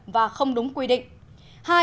và không đúng quy định